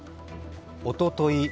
おととい